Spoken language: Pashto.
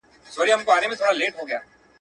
ده د کاروانونو د امن لپاره ځانګړي کسان ټاکل.